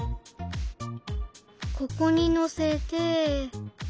ここにのせて。